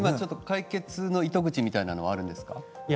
解決の糸口みたいなものはあるんですか？